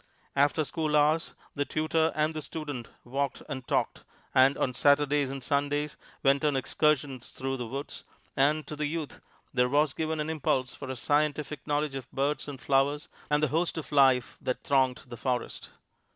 After school hours the tutor and the student walked and talked, and on Saturdays and Sundays went on excursions through the woods; and to the youth there was given an impulse for a scientific knowledge of birds and flowers and the host of life that thronged the forest.